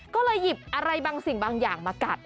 ก็เลยหยิบอะไรบางสิ่งบางอย่างมากัด